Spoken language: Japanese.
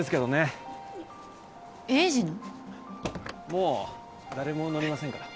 もう誰も乗りませんから。